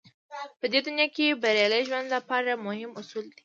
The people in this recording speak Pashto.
په دې دنيا کې بريالي ژوند لپاره مهم اصول دی.